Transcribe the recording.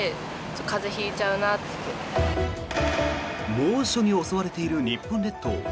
猛暑に襲われている日本列島。